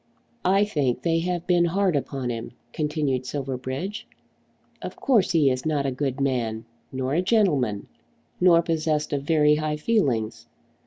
"I think they have been hard upon him," continued Silverbridge. "Of course he is not a good man, nor a gentleman, nor possessed of very high feelings.